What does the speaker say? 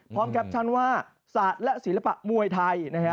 พร้อมแกปชั่นว่าสัตว์และศิลปะมวยไทย